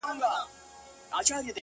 • زه دي نه وینم د خپل زړگي پاچا سې,